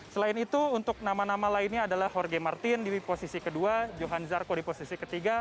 selain itu untuk nama nama lainnya adalah jorge martin di posisi ke dua johan zarco di posisi ke tiga